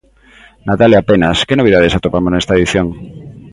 Natalia Penas, que novidades atopamos nesta edición?